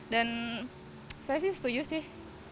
dan saya sih setuju sih